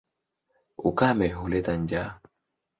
Ukame huleta njaa.